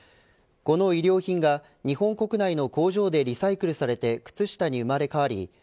この衣料品が、日本国内の工場でリサイクルされて靴下に生まれ変わり